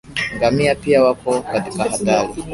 ngamia pia wako katika hatari